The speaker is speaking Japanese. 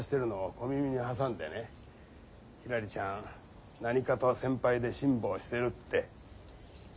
ひらりちゃん何かと先輩で辛抱してるって。